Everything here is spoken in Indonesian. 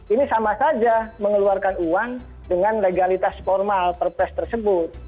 ini sama saja mengeluarkan uang dengan legalitas formal perpres tersebut